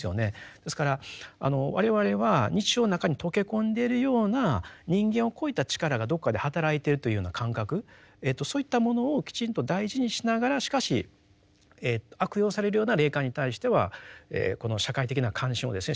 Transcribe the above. ですから我々は日常の中に溶け込んでいるような人間を超えた力がどこかで働いてるというような感覚そういったものをきちんと大事にしながらしかし悪用されるような霊感に対してはこの社会的な関心をですね